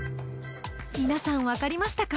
皆さん分かりましたか？